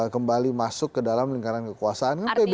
kembali masuk ke dalam lingkaran kekuasaan